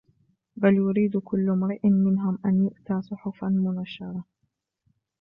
بَلْ يُرِيدُ كُلُّ امْرِئٍ مِنْهُمْ أَنْ يُؤْتَى صُحُفًا مُنَشَّرَةً